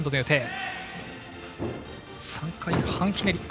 ３回半ひねり。